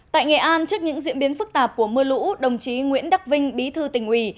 tại nghệ an trước những diễn biến phức tạp của mưa lũ đồng chí nguyễn đắc vinh bí thư tỉnh ủy